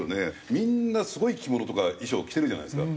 みんなすごい着物とか衣装を着てるじゃないですか。